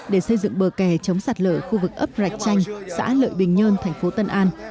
để xây dựng bờ kè chống sạt lở khu vực ấp rạch chanh xã lợi bình nhơn thành phố tân an